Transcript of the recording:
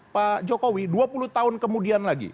pak jokowi dua puluh tahun kemudian lagi